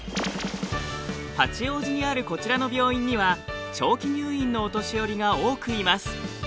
八王子にあるこちらの病院には長期入院のお年寄りが多くいます。